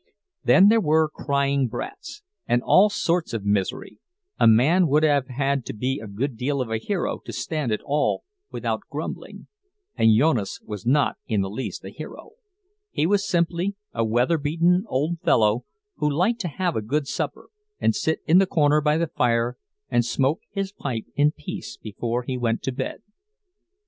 Then there were crying brats, and all sorts of misery; a man would have had to be a good deal of a hero to stand it all without grumbling, and Jonas was not in the least a hero—he was simply a weatherbeaten old fellow who liked to have a good supper and sit in the corner by the fire and smoke his pipe in peace before he went to bed.